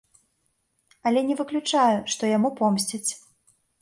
Але не выключаю, што яму помсцяць.